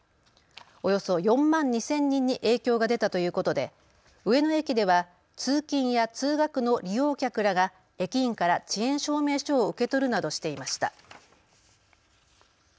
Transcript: およそ４万２０００人に影響が出たということで上野駅では通勤や通学の利用客らが駅員から遅延証明書を受け取るなどしていました。